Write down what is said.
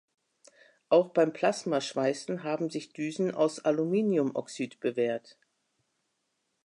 Auch beim Plasma-Schweißen haben sich Düsen aus Aluminiumoxid bewährt.